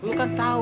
lo kan tau